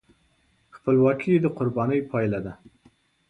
خپلواکي د قربانۍ پایله ده.